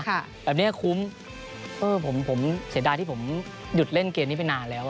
แบบนี้คุ้มเสียดายที่ผมหยุดเล่นเกมนี้ไปนานแล้ว